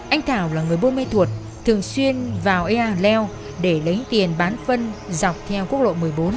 anh thảo là người bô mê thuột thường xuyên vào ea leo để lấy tiền bán phân dọc theo quốc lộ một mươi bốn